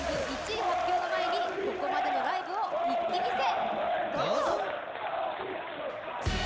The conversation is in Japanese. １位発表の前にここまでのライブを一気見せ！